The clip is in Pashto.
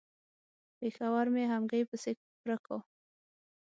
پېښور مې همګي پسې پره کا.